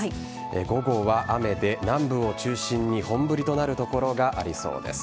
午後は雨で南部を中心に本降りとなる所がありそうです。